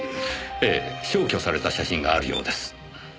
ええ消去された写真があるようです。